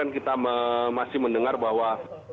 kita masih mendengar bahwa